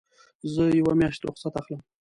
زه یوه میاشت رخصت اخلم.